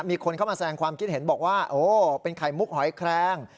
มีคนเข้ามาแสงความคิดเห็นบอกว่าโอ้เป็นไข่มุกหอยแครง